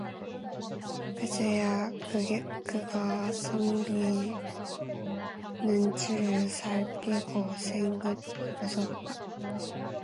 그제야 그가 선비의 눈치를 살피고 생긋 웃었다.